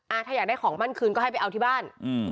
อะถ้าฝ่ายอยากได้ของมั่นคืนก็ให้เป็นจากบ้าน